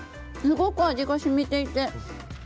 すごく味が染みていて。